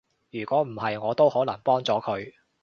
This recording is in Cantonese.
如果唔係，我都可能幫咗佢